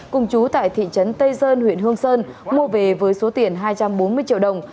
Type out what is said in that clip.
cùng chú tại thị trấn tây sơn huyện hương sơn mua về với số tiền hai trăm bốn mươi triệu đồng